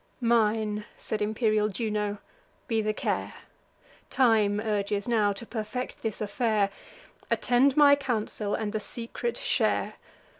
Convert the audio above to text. "Mine," said imperial Juno, "be the care; Time urges, now, to perfect this affair: Attend my counsel, and the secret share.